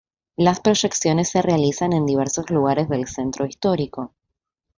Las proyecciones se realizan en diversos lugares del centro histórico.